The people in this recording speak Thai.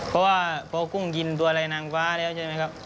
เพราะว่าพอกุ้งกินตัวอะไรนางฟ้าแล้วใช่ไหมครับ